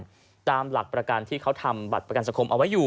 ตามหลักประกันที่เขาทำบัตรประกันสังคมเอาไว้อยู่